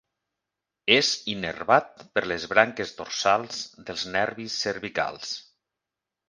És innervat per les branques dorsals dels nervis cervicals.